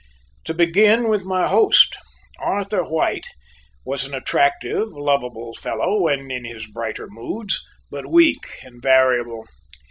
To begin with my host Arthur White was an attractive, lovable fellow when in his brighter moods, but weak and variable.